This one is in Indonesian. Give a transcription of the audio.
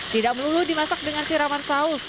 tidak melulu dimasak dengan siraman saus